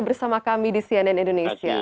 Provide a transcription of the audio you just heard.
bersama kami di cnn indonesia